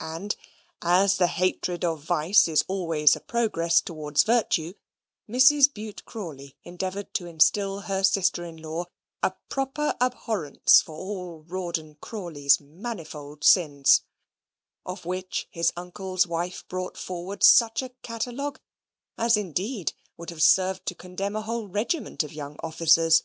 And, as the hatred of vice is always a progress towards virtue, Mrs. Bute Crawley endeavoured to instil her sister in law a proper abhorrence for all Rawdon Crawley's manifold sins: of which his uncle's wife brought forward such a catalogue as indeed would have served to condemn a whole regiment of young officers.